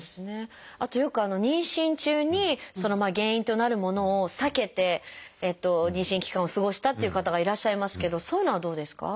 あとよく妊娠中に原因となるものを避けて妊娠期間を過ごしたっていう方がいらっしゃいますけどそういうのはどうですか？